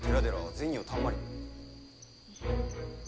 銭をたんまり。